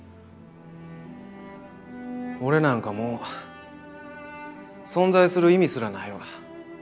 俺なんかもう存在する意味すらないわ。